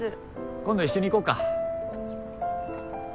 今度一緒に行こうか。